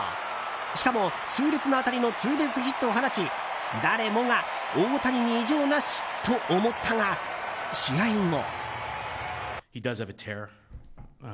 しかも、痛烈な当たりのツーベースヒットを放ち誰もが大谷に異常なしと思ったが試合後。